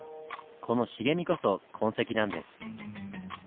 この茂みこそ痕跡なんです。